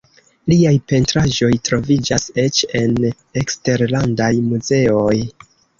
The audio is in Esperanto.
Liaj pentraĵoj troviĝas eĉ en eksterlandaj muzeoj.